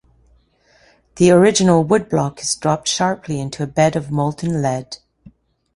The original woodblock is dropped sharply into a bed of molten lead.